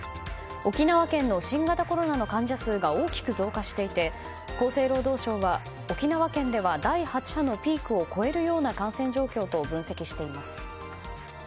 沖縄県の新型コロナの患者数が大きく増加していて厚生労働省は沖縄県では第８波のピークを超えるような感染状況と分析しています。